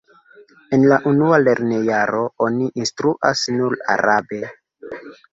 En la unua lernojaro oni instruas nur arabe.